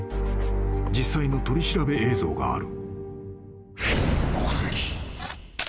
［実際の取り調べ映像がある］